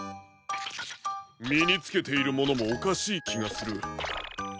みにつけているものもおかしいきがする。